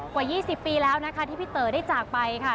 กว่า๒๐ปีแล้วนะคะที่พี่เต๋อได้จากไปค่ะ